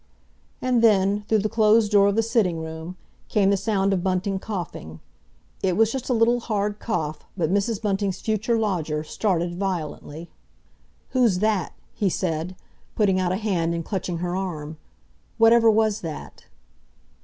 And then, through the closed door of the sitting room, came the sound of Bunting coughing—it was just a little, hard cough, but Mrs. Bunting's future lodger started violently. "Who's that?" he said, putting out a hand and clutching her arm. "Whatever was that?"